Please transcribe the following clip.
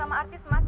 aku mau ke rumah